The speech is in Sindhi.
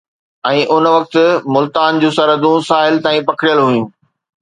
۽ ان وقت ملتان جون سرحدون ساحل تائين پکڙيل هيون